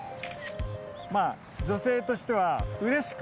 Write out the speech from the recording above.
まぁ女性としては。